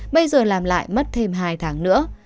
bây giờ làm lại mất thêm hai tháng nữa